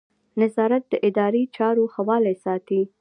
نظارت د اداري چارو ښه والی ساتي.